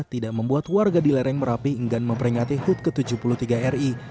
tidak membuat warga di lereng merapi enggan memperingati hut ke tujuh puluh tiga ri